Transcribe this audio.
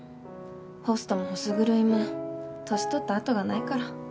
ホストもホス狂いも年取ったあとがないから。